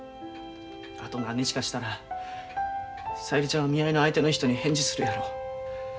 あと何日かしたら小百合ちゃん見合いの相手の人に返事するやろ。